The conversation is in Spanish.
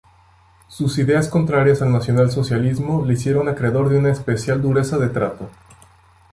Sus ideas contrarias al nacionalsocialismo le hicieron acreedor de una especial dureza de trato.